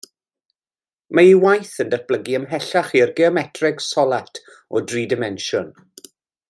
Mae ei waith yn datblygu ymhellach i'r geometreg solat o dri dimensiwn.